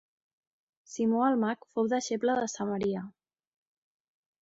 Simó el Mag fou deixeble de Samaria.